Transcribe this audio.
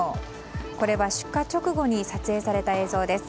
これは出火直後に撮影された映像です。